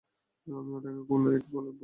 আমি ওটাকে কোল-এইড ভেবেছিলাম।